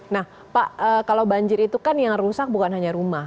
nah pak kalau banjir itu kan yang rusak bukan hanya rumah